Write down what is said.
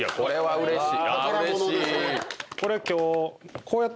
うれしい。